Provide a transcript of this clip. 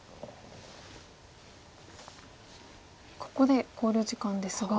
ここで考慮時間ですが。